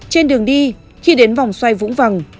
trên đường đi khi đến vòng xoay vũng vằng